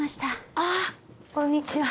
あっこんにちは。